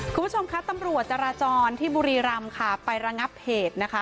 คุณผู้ชมคะตำรวจจราจรที่บุรีรำค่ะไประงับเหตุนะคะ